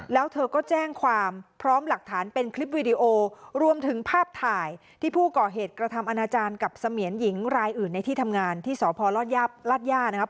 แล้วเธอก็แจ้งความพร้อมหลักฐานเป็นคลิปวีดีโอรวมถึงภาพถ่ายที่ผู้ก่อเหตุกระทำอนาจารย์กับเสมียนหญิงรายอื่นในที่ทำงานที่สพลาดย่านะครับ